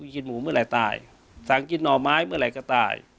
กินหมูเมื่อไหร่ตายสั่งกินหน่อไม้เมื่อไหร่ก็ตาย